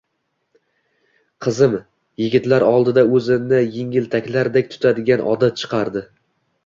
Qizim yigitlar oldida o`zini engiltaklardek tutadigan odat chiqardi